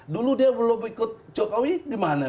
dulu dia belum ikut jokowi gimana